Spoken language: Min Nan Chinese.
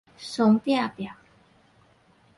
倯壁壁